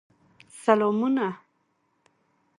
سلامونه !